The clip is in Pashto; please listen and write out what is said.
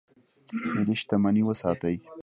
ملي شتمني وساتئ